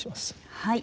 はい。